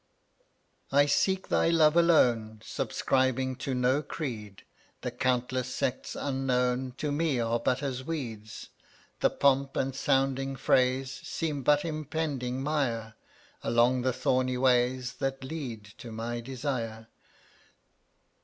138 I seek Thy love alone, Subscribing to no creed, The countless sects unknown — To me are but as weeds. The pomp and sounding phrase Seem but impeding mire Along the thorny ways That lead to my desire.